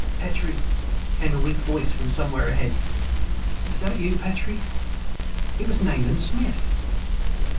"Petrie!" came a weak voice from somewhere ahead. ... "Is that you, Petrie?" It was Nayland Smith!